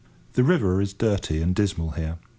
The river is dirty and dismal here.